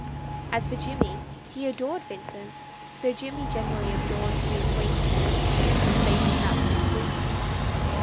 As for Jimmie, he adored him, though Jimmie generally adored new acquaintances — for the space of about six weeks.